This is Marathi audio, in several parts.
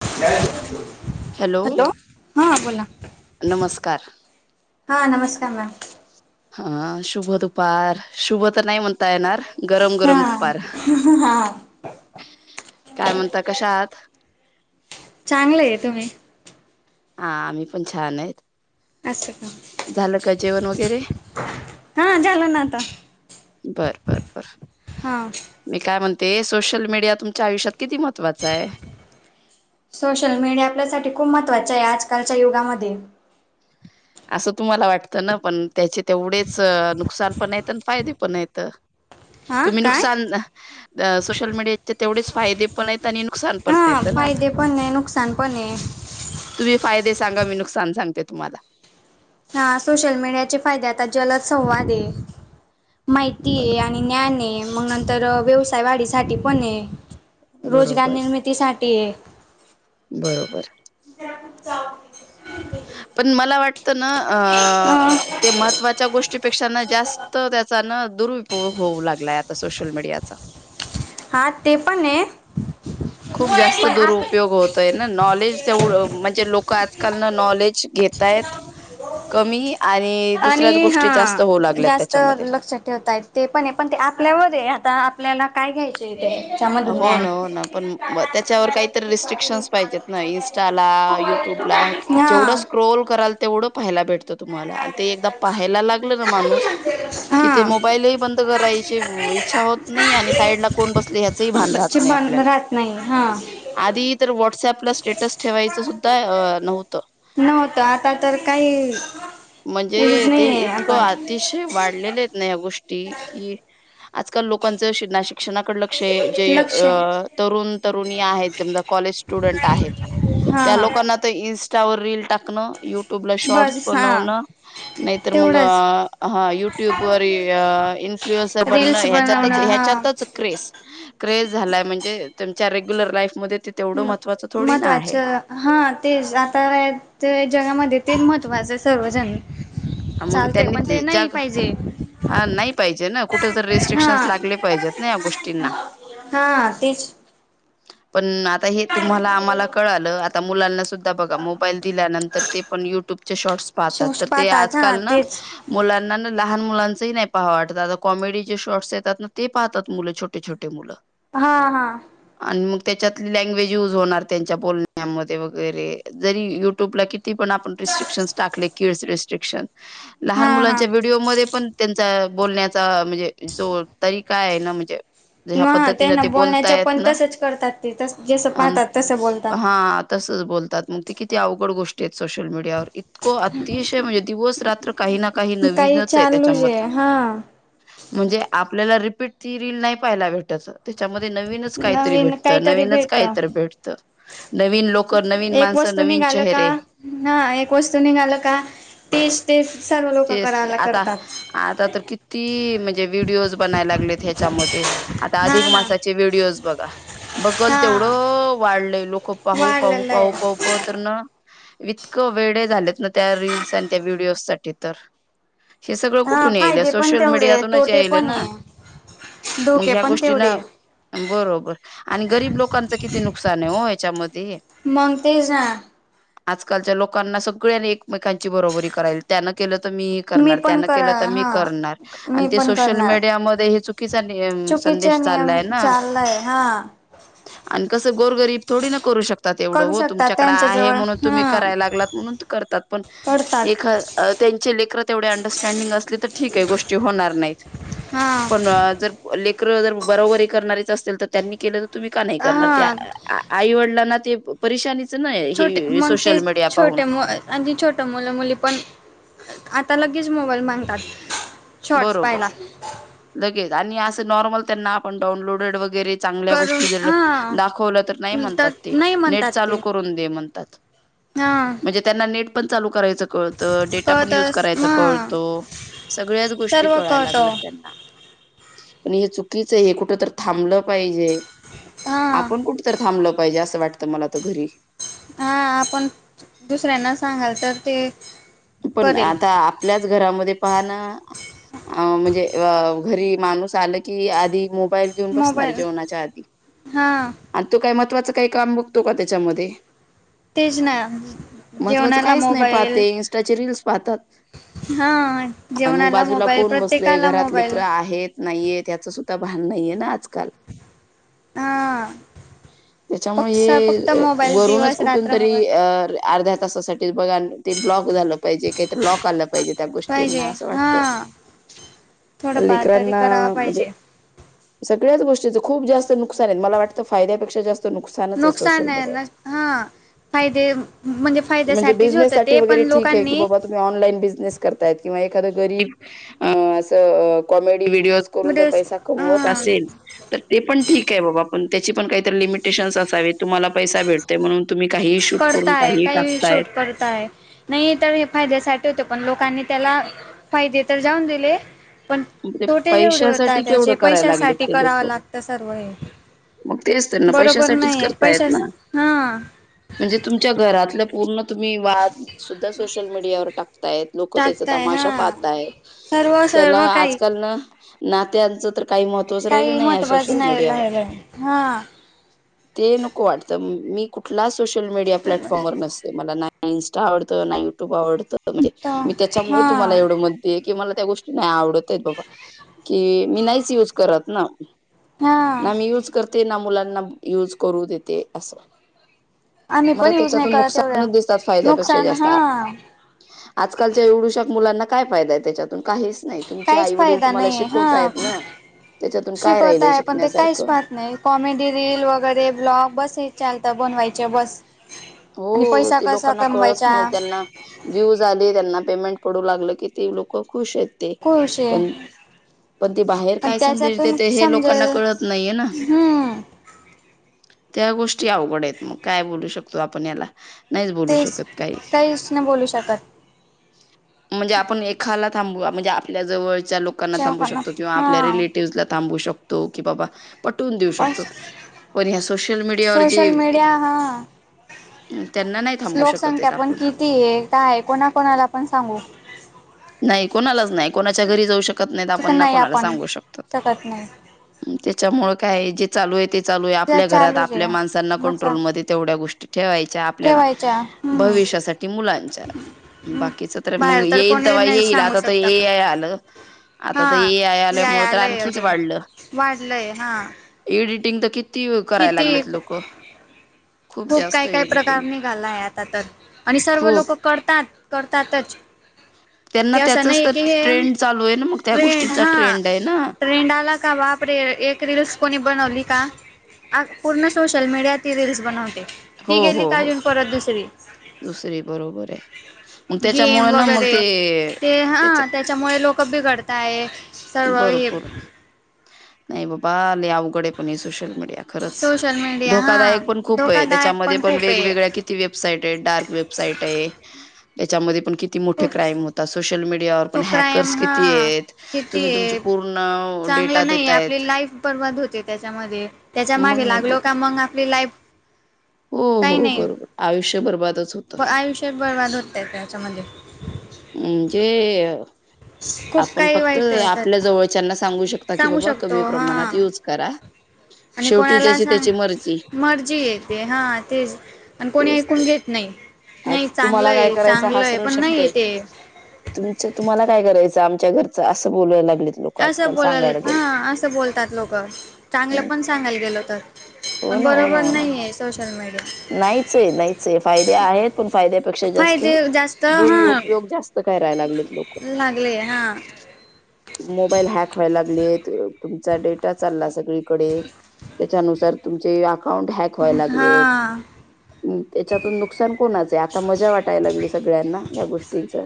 [unintelligible] हॅलो. हा बोला. नमस्कार हा नमस्कार मॅम. हा शुभ दुपार शुभ तर नाही म्हणता येणार. गरम हा गरम दुपार, हा काय म्हणता कशा आहात? चांगलं आहे तुम्ही हा आम्ही पण छान आहेत. अस. झालं का जेवण वगैरे? हा झालं ना आता बरं बरं. बर. हा मी काय म्हण ते सोशल मीडिया तुमच्या आयुष्यात किती महत्त्वाचा आहे सोशल मीडिया आपल्यासाठी खूप महत्वाचा आहे. आज आजकालच्या युगामध्ये. असं तुम्हाला वाटतं ना पण त्याचे तेवढेच नुकसान पण आहेत आणि फायदे पण आहेत. हा तुम्ही काय नुकसान सोशल मीडियाचे तेवढेच फायदे पण आहेत. आणि नुकसान पण हा. आहेत ना फायदे पण आहे, नुकसान पण आहे. तुम्ही फायदे सांगा मी नुकसान सांगते तुम्हाला. हा सोशल मीडियाचे फायदे आता जलद संवाद आहे. माहिती आहे बरोबर आणि ज्ञान आहे, मग न तर व्यवसायवाढीसाठी पण आहे रोजगार बरोबर निर्मितीसाठी आहे बरोबर जा पण मला वाट अ अ ते महत्त्वाच्या गोष्टीपेक्षा न जास्त त्याचा न दुर्ुविपयोग होऊ लागलाय आता सोशल मीडियाचा हा ते पण आहे खूप जास्त पण आप दुरुपयोग होतय ना नॉलेज तेवढं म्हणजे लोक आजकाल न नॉलेज घताय कमी आणि दुसऱ्याच गोष्टी हा जास्त होऊ लागल्यात जास्त त्याच्यामध्ये लक्षात ठेवतायत ते पण आहे पण ते आपल्यावर आहे आता आपल्याला काय घ्यायचं हो ना हो ना पण त्याच्यावर काहीत रिस्ट्रिक्शनस पाहिजेत ना इनस्टाला युट्यूबला जेवढं हा स्क्रोल कराल तेवढं पाहाय भेट तुम्हाला ते एक पाहायला लागल ना माणूस की ते हा मोबाईल बंद करायची इच्छा होत नाही आणि साईडला कोण बस बंद राहत नाही हा आपला स्टेटस ठेवायच सुद्धा नव्हत नव्हतं आता तर काही हेच म्हणजे ते नाही आहे इतकं आता अतिशय वाढलेले आहेत नाही या गोष्टी कि आजकाल लोकांचं ना को लक्ष हा हा चवरील टा यट्यूब ला शॉर्टस बस ब हा नाहीतर मग तेवढंच युट्युब वर इन्फ्लुस बन रील्स हच्या बनवणं हा ह्याच्यातच क्रेज क्रे झाला म्हणजे तुमच्या रेग्युर लाईफमध्ये ते तेवढं थोडी ना आहे. महत्त्वाचं हा तेच आता जगामध्ये ते मह माझं सर्वजण मग चालतय पण ते त्यांनी ज नाही पाहिजे. हा नाही पाहिजे ना कुठ तर हा रिस्ट्रिक्शनस लागले पाहिजेत ना या गोष्टींना हा तेच पण आता हे तुम्हाला आम्हाला कळलं मुला सुध बघा मोबाईल दिल्यानंतर ते पण युट्यूबचे शॉर्टस पाहतात शिवश तर ते पाहतात आज हा काल ना तेच मुलांना लहान मुलांचंही नाही पाहा वाटतं आता कॉमेडी जे शॉर्ट्स येतात ना ते पाहतात मुलं छोटे छोटे मुलं हा हा त्याच्यात लँग्वेज युज होणार त्यांच्या बण्यामध्ये वगैरे जरी युट्यूबला पण आपण रिस्ट्रिकशन् टाकले क शिक्षण हा लहान हा मुलांच्या व्हिडिओ म पण त्यांचा बोलण्याचा म्हणजे जो तरी का आहे ना म्हणजे ह्या ना ते पद्धतीनं ना बोलण्याच्या बोलतायत पण ना तसच करतात तेस जस अन पाहतात तसं बोलतात क अवघड गोष्टी आहेत सोशल मीडियावर इतको अतिशय म्हज दिवस रात्र काही ना काही नवीनच आहे चाललूजे त्याच्यामध्ये हा म्हणजे आपल्याला रिपीट ती रील नाही पाहायला भेटाय तेच्यामध्ये नवीनच काहीतरी नवीन भेटतं काहीतरी नवीनच भेट कायतर भेटत एक वस्तू निघाल का चेहरे ह एक वस्तू निघाल का टेस् तेस तेच आता आता तर किती म्हणजे व्हिडीओज बनायला लागलेत ह्याच्यामध्ये आता हा अधिक ना मासाचे व्हिडिओज बघा बगल हा तेवढं वाढलंय लोक पाहू पाहू वाढलेलं आहे. पाहू पाहू पतरन इतकं वेडे झालेत ना त्या रील्स आणि त्या व्हिडिओ साठी त्तर हे सगळं हा कुठून यायल फायदे पण सोशल तेवढे मीडियातूनच तोटे पण यायलना आहे मग धोके ह्या पण गोष्टी ना तेवढे. बरोबर आणि गरीब लोकांच किती नुक नुकसान हे ओ हेच्यामध्ये मग ते जा आजकालच्या लोकांना सगळ्यांनी एकमेकांची बरोबरी करायल त्याना केलं त मीही मी करणार पण त्यानं कर केलंत मी हा करणार मी आणि ते पण सोशल करणार मीडिया मध्ये हेच चुकीचे नियम चाललाय हा आणि कसं गोरगरीब थोडी ना करू शकत तात एवढं करू हो शकतात तुमच्याकड त्यांच्या आहे जवळ म्हणून तुम्ही हा करायला लागलात म्हणून करतात पण करतात एखा तेची लेकर तेवढी अंडस्टडिंग अस तर ठीक आहे गोष्ट होणार नाही हा पण जर ले करं जर बरोबर हे करणारेच असतील तर त्यांनी केलं तुम्ही का नाही करणार ते हा आई वडिलांना ते परिशानीच छोटे मग ते छोटे आणि छोट मुलं मुली पण आता लगेच मोबाईल मागतात. शॉर्ट्स बरोबर पाहायला लगेच आणि असं नॉर्मल त्यांना आपण डाऊनलोडेड वगैरे चांगल्या करून गोष्टी जर हा दाखवलं तर नाही तर म्हणतात ते नाही नेट म्हणतात चालू ते करून दे म्हणत तात हा म्हणजे त्यांना नेट पण चालू करायच कळत डेटा पण यूज कळतस करायच हा कळत सगळ्याच गोष्टी सर्व कळायला कळत लागल्यात त्यांना पण हे चुकीच आहे हे कुठ तर थांबलं पाहिजे. हा आपण कुठ तर थांबलं पाहिजे असं वाटत आता मला तर घरी हा आपण दुसऱ्यांना सांगाल तर ते पण करेल आता आपल्याचं घरामध्ये पाहणां अ म्हणजे घरी माणूस आलं की आधी मो बाईल घेऊन बसणार मोबाईल जेवणाच्या आधी हां आणि तू काय म्हं कोणाचं काय काम बघतो का त्याच्यामध्ये तेच ना जेवणाला मोबाईल-‍- रीलस पाहतात म जेवणाला बाजूला मोबाईल कोण बसलयं प्रत्येकाला घरात मोबाईल लेकरं आहेत नाहीये त्याचं सुद्धा भान नाहीये ना आजकाल-‍- हा त्याच्यामुळे फक्स फक्त हे मोबाईल वरूनच दिवस कुठून रात्र तरी मोबाईल अ ल्या अर्ध्या तासासाठी तेचं बघायं लागलोयं ब्लॉग [inaudible] काय तरी लॉक आलं पाहिजे त्या गोष्टीना पाहिजे असं हा वाटतं थोडंफार तरी लेकरांना करावा म्हंजे पाहिजे स सगळ्याचं गोष्टींच खूप जास्त नुकसान आहेत मला वाटत फायदया पेक्षा जास्त नुकसानच आहे नुकसान सोशल हाय ह् मीडियाचे. ना फायदे म्हणजे म्हणजे फायद्यासाठीचं होत बिझनेससाठी ते पण वगैरे लोक की बाबा तु्ही आनलाईन बिझनेस करताय? किंवा एखाद गरीब असं काॅमेडी विडीओज करून जर व्हिडिओज पैसा मिळवतं हा असेल तर ते पण ठिक आहे बाबा पण काही लिमिटेशनस असावेत तुम्हाला पैसा भेटतोय म्हणून तुम्ही काहीही शूट करून करताय काही टाकताय शूट करताय नाही तर हे फायद्यासाठी होतंय पण लोकांनी त्याला फायदे तर जाऊन दिले पण मग ते तोटे जेवढे पैशासाठी होतात केवढं त्याचे करायला लागलेत पैशासाठी ते लोक करावं लागत सर्व हे मग तेचं तर ना बरोबर पैशासाठीच नाही करतायेत पैशा ना हा म्हणजे तुमच्या घरातल्या पूर्ण तुम्ही वाद सुद्धा सोशल मीडियावर टाकताय. लोक त्याचा टाकताय तमाशा हा पाहतायत सर्व त्याला सर्व काही आजकालन नात्यांच तर काही महत्वचं राहिलं काही नाही या महत्त्वाचं सोशल नाही मीडियावर राहिलं हा ते नको वाटत मी कुठलाच सोशल मीडिया प्लॅटफॉर्मर नसते मला नाही इंस्टा आवडतो नाही युट्यूब आवडतं म्हणजे तर मी त्याच्यामुळे हा तुम्हाला एवढं म्हणते. की मला त्या गोष्टी नाही आवडत. च बाबा की मी नाहीच युज करत ना. हा ना मी यूज करते मुलांना यज करू देते असं. आम्ही पण मला यूज नाही त्याच्यातून करत एवढं नुकसानच दिसतात. फायद्यापेक्षा नुकसान जास्त हा आजकालच्या एवडू शाख मुलांना काय फायदाय त्याच्यात काहीच नाही तुमचे काहीच आई वडील फायदा तुम्हाला नाही शिकवताय हा ना. त्याच्यातून काय शिकवत राहिलय आहे पण ते काहीच शिकण्यासारखं. पाहत नाही कॉमेडी रील वगैरे ब्लॉग बस हे चालतं बनवायचे बस. आणि हो पैसा ते कसा लोकांना कळत नाही कमवायचा त्यांना व्ह्यू झाली त्यांना पेमेंट पडू लागलं की ते लोक खुश आहेत ते खुश पण आहे पण ते बाहेर पण काय संदेश त्याच्यातून देते हे लोकांना समजेल कळत नाहीये ना. हम्म त्या गोष्टी अवघड आहेत. मग काय बोलू शकत. आपण याला नाहीच बोलू तेच शकत काही काहीच नाही बोलू शकत म्हणजे आपण एखा थांबू म्हणजे आपल्या जवळ लोकां थांबू शेवकांना शकतो किंवा आपल्या हा रिलेटिव्ह ला थांबू शकतो. तो कि बाबा पटवून देऊ शकतो बस पण ह्या सोशल मीडियावर जे सोशल मीडिया हा त्यांना नाही थांबू शकत लोकसंख्या आहेत पण आपण किती आहे काय कोणाकणाला पण सांगू नाही कोणालाच नाही. कोणाच्या घरी जाऊ शकत नाही आपण कोणाला सांगू शकत त्याच्यामुळे काय जे चालू आहे ते चालू आहे त्या आपल्या घरात चालूच आपल्या आहे माणसांना मसा कंट्रोलमध्ये तेवढ्या गोष्टी ठेवायच्या आपल्या ठेवायच्या हम्म भविष्यासाठी मुलांच्या बाकीच तर मग बाहेर येईल कोणी नाही येईल सांगू आता शकता ए पण आय आलं आता तर हा ए आय या आल्यामुळे तर यालय आणखीच अजून वाढलंड वाढलंय हा गकी किती करायला किती लागलेत लोक खूप जास्त काय काय प्रकार एडिटिंग निघालाय आता तर आणि सर्व लोक खूप करतात करतातच त्यांना ते असं त्याचच नाही तर की हे ट्रेंड चालू आहे ना मग त्या ट्रेंड गोष्टींचा हा ट्रेंड आहे ना ट्रेंड आला का बाप रे एक रीलस कोणी बनवली का पूर्ण सोशल मीडियाती रीलस बनवते हो ती गेली हो हो काजून परत दुसरी दुसरी बरोबर आहे मग गेम त्याच्यामुळे ना मग वगैरे ते ते ह त्याच्यामुळे लोक कपी करता आहे बरोपूर नाही बाबा अवघड आहे पण सोश मडिया खच सोशल मीडिया हा धोकाकादायक पण खूप धोकादायक त्याच्या पण खूप आहे वेगवेगळ्या किती वेबसाईट आहे डार्क वेबसाईट आहे त्याच्यामध्ये कितीे खूप क्राम हो सोशमडियावर पण हॅकर किती तुम्ही तुमची ते पूर्ण डेटा चांगलं नाही आपली देतायत लाईफ बर्बाद होते त्याच्यामध्ये त्याच्या मग मागे नाही तर लागलो काय. का मग आपली लाईफ काही नाही आयषभरबात आयुष्यत बर्बाद होतय त्याच्यामध्ये हम्म ज ते खूप आपण काही फक्त वाईट आपल्या येतात जवळच्याना सांगू शकता की सांगू बाबा शकतो कमी हा प्रमाणात युज करा आणि शेवटी कोणाला ज्याची सांग त्याची मर्जी. मर्जी येते हा ते तेच तर आज चांगलं तुम्हाला काय आहे करायच हा चांगलं आहे सरळ पण शब्द नाही आहे ते तुमच तुम्हाला काय करायच आमच्या घरं असं बोलायला लागलेत लोकं असं आजकाल बोलाल सांगायला गेलं. हं असं बोलतात लोक चांगलं हं. पण सांगायला गेलो तर हो पण ना हो ना बरोबर हो ना नाही आहे सोशल मीडिया नाहीच आहे नाहीच आहे फायदे आहेत पण फायद्यापेक्षा जास्त फायदे जास्त हा दुरुपयोग जास्त करायला लागलेत लोक लागले हा मोबाईल हॅक होयलाग तुमचा डेटा चालला सगळी कडे तेच्या नुसार तुमचे [unintelligible] अकाउंट हॅक व्हायलागलेत हा त्याच्यातून नुकसान कोणाचं आहे आता मजा वाटायला लागली सगळ्यांना या गोष्टींच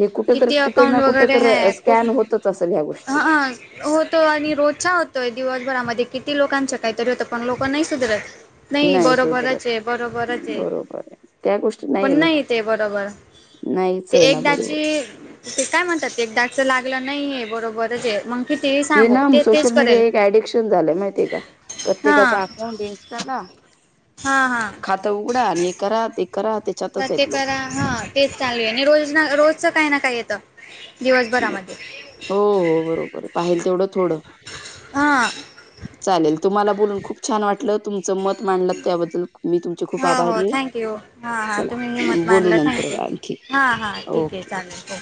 हे कुठ तर किती कुठ अकाउंट ना कुठ वगैरे ह तर स्कॅन होतच असेल ह्या गोष्टी ह होतो आणि रोज होतोय दिवस भरामध्ये किती लोकांच काहीतरी होतं पण लोकं नाही सुधरत. नाही सुधरत बरोबरच आहे बरोबरच आहे बरोबर आहे, त्या गोष्टी पण नाही मी ते बरोबर नाहीच ते आहे ना बरोबर एकदाची ते काय म्हणतात लागलं नाहीये बरोबरच आहे. मग कितीही हे सांगू ना ते तेच सोशल मीडिया करेल एक ऍडिक्शन झालंय माहितीय का हा प्रत्येकाचा अकाउंट इंस्टाला हा हा खात उघडा आणि हे करा करा त्याच्यातच ते आहेत लोक करा हा तेच चालू आहे आणि रोज रोजच काही ना काय येत हो हो बरोबर, आहे पाहिल तेवढं थोडं हा. चालेल तुम्हाला बोलून खूप छान वाटलं तुम मत मांडलं त्याबद्दल मी तुमचे खूप हो हो आभारी आहे, थँक्यू हां हां तुम्ही चला हिंमत बोलू मानलं नंतर थँक्यू आणखी हां हां ठीक आहे ओके. चालेल हो